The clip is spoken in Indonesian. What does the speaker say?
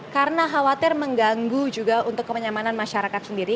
karena khawatir mengganggu juga untuk kemenyamanan masyarakat sendiri